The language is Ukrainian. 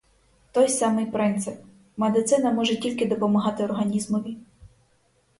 Той самий принцип: медицина може тільки допомагати організмові.